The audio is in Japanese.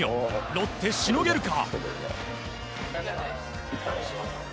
ロッテ、しのげるか？